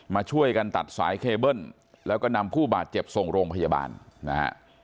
มาช่วยกันตัดสายเคเบิ้ลแล้วก็นำผู้บาดเจ็บส่งโรงพยาบาลนะฮะ